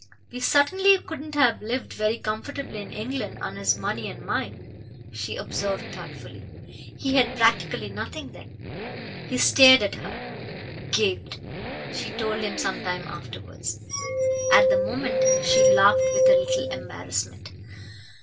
"We certainly couldn't have lived very comfortably in England on his money and mine," she observed thoughtfully. "He had practically nothing then." He stared at her "gaped," she told him some time afterwards. At the moment she laughed with a little embarrassment.